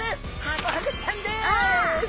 ハコフグちゃん。